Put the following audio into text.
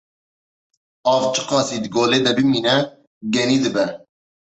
Av çi qasî di golê de bimîne, genî dibe.